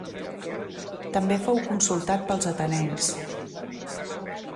També fou consultat pels atenencs.